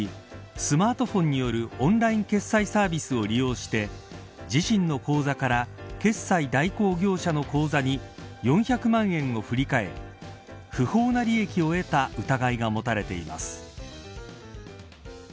スマートフォンによるオンライン決済サービスを利用して自身の口座から決済代行業者の口座に４００万円を振り替え不法な利益を得た疑いが持たれています。